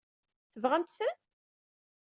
Tebɣamt-ten?